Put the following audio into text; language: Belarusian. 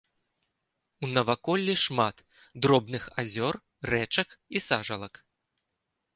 У наваколлі шмат дробных азёр, рэчак і сажалак.